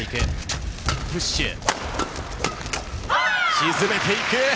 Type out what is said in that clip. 沈めていく。